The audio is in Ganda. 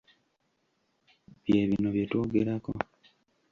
Bye bino bye twogerako.